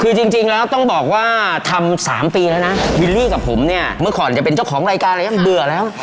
คือจริงแล้วต้องบอกว่าทำ๓ปีแล้วนะวิลลี่กับผมเนี่ยเมื่อก่อนจะเป็นเจ้าของรายการอะไรยังเบื่อแล้ว